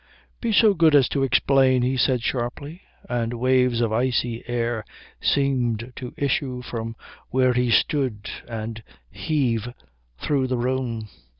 "Be so good as to explain," he said sharply, and waves of icy air seemed to issue from where he stood and heave through the room.